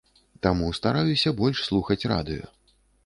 Таму стараюся больш слухаць радыё.